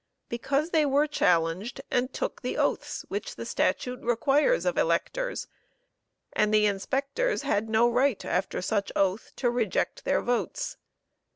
Because they were challenged and took the oaths which the statute requires of Electors, and the Inspectors had no right, after such oath, to reject their votes.